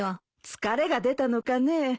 疲れが出たのかねえ。